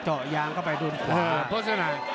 เจาะยางเข้าไปดนขวา